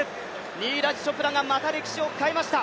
ニーラジ・チョプラがまた歴史を変えました。